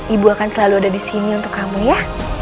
ibu akan selalu ada di sini untuk kamu ya